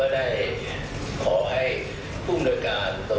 และแม้เอกก็โทรศัพท์มารายการว่า